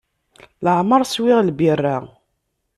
Leɛmer swiɣ lbirra.